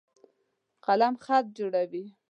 قلم خط جوړوي.